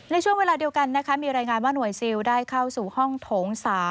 ในช่วงเวลาเดียวกันนะคะมีรายงานว่าหน่วยซิลได้เข้าสู่ห้องโถง๓